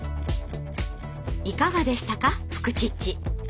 いかがでしたか「フクチッチ」。